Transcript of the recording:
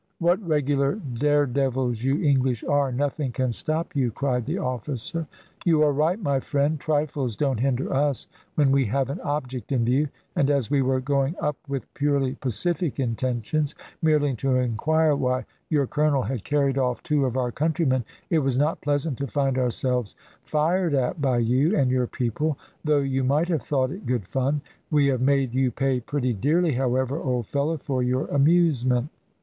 "What regular daredevils you English are, nothing can stop you," cried the officer. "You are right, my friend; trifles don't hinder us when we have an object in view; and as we were going up with purely pacific intentions, merely to inquire why your colonel had carried off two of our countrymen, it was not pleasant to find ourselves fired at by you and your people, though you might have thought it good fun. We have made you pay pretty dearly, however, old fellow, for your amusement."